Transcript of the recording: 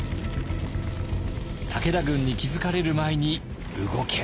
武田軍に気付かれる前に動け！